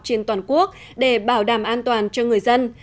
trên toàn quốc để bảo đảm an toàn cho người dân